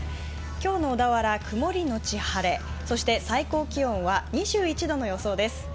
今日の小田原、曇り後晴れ、最高気温は２１度の予想です。